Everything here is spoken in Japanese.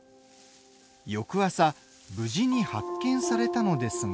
翌朝無事に発見されたのですが。